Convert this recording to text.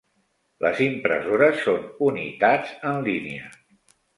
Les impressores són unitats en línia.